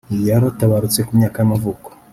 yaratabarutse ku myaka y’amavuko